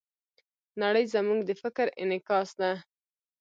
نړۍ زموږ د فکر انعکاس ده.